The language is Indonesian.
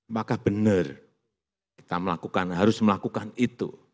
maka benar kita melakukan harus melakukan itu